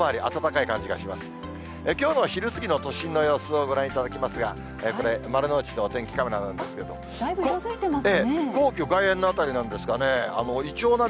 きょうの昼過ぎの都心の様子をご覧いただきますが、これ、丸の内のお天気カメラなんですけど。